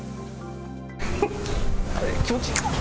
気持ちいい？